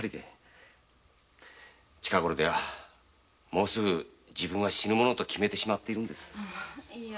もうすぐ自分は死ぬものと決めてしまっているんです。